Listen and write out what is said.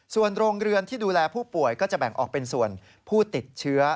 ส่วนโรงเรือนที่ดูแลผู้ป่วยก็จะแบ่งออกเป็นส่วนผู้ติดเชื้อ